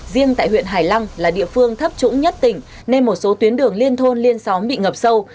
riêng tại huyện hải lăng là địa phương thấp trũng nhất tỉnh nên một số tuyến đường liên thôn liên xóm bị ngập sâu